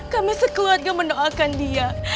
kami sekeluarga mendoakan dia